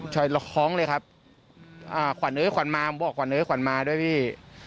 แล้วก็ค้องเลยครับควันเอ๊ยควันมาผมบอกควันเอ๊ยควันมาด้วยพี่